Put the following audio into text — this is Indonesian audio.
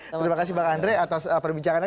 terima kasih mbak andri atas perbincangan ini